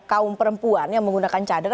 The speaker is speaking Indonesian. kaum perempuan yang menggunakan cadar